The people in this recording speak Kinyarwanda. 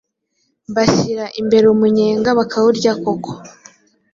Mbashyira imbere umunyenga bakawurya koko